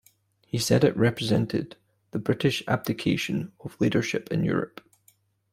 He said it represented, the British abdication of leadership in Europe.